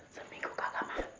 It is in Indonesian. suamimu kakak mah